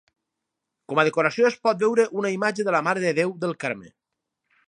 Com a decoració es pot veure una imatge de la Mare de Déu del Carme.